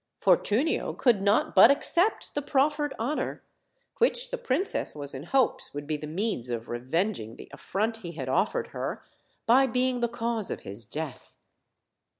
Fortunio could not but accept the proffered honor; which the princess was in hopes would be the means of revenging the affront he had offered her, by being the cause of his death.